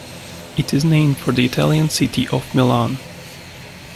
It is named for the Italian city of Milan.